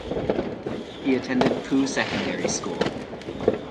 He attended Poo Secondary School.